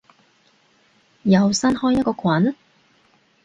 又新開一個群？